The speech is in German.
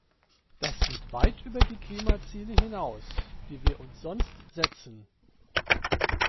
Das geht weit über die Klimaziele hinaus, die wir uns sonst setzen.